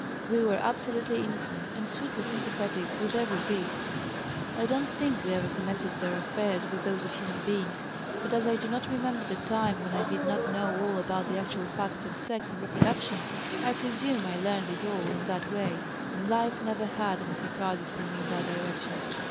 We were absolutely innocent, and sweetly sympathetic with every beast. I don't think we ever connected their affairs with those of human beings, but as I do not remember the time when I did not know all about the actual facts of sex and reproduction, I presume I learned it all in that way, and life never had any surprises for me in that direction.